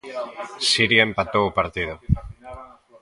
Siria empatou o partido.